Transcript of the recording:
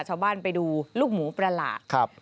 ชาวบ้านไปดูลูกหมูประหละ